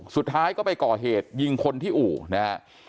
สุดท้ายก็ไปก่อเหตุยิงคนที่อู่นะฮะ